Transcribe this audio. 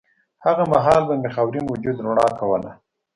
هغه مهال به مې خاورین وجود رڼا کوله